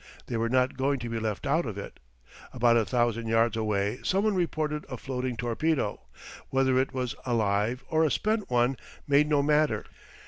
They were not going to be left out of it. About a thousand yards away some one reported a floating torpedo. Whether it was a live or a spent one made no matter.